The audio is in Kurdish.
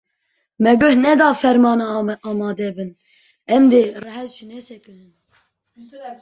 Me guh neda fermana amade bin, em dê rehet jî nesekinin.